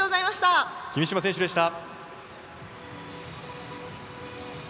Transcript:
君嶋選手でした。